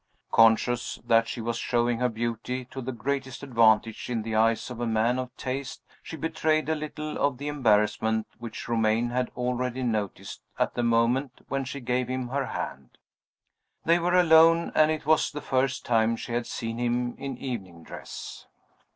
Conscious that she was showing her beauty to the greatest advantage in the eyes of a man of taste, she betrayed a little of the embarrassment which Romayne had already noticed at the moment when she gave him her hand. They were alone, and it was the first time she had seen him in evening dress.